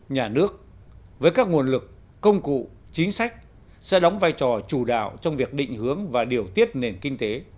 nhà nước với các nguồn lực công cụ chính sách sẽ đóng vai trò chủ đạo trong việc định hướng và điều tiết nền kinh tế